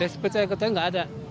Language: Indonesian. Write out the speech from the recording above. seperti saya katakan tidak ada